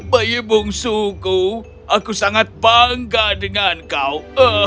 bayi bungsuku aku sangat bangga dengan kau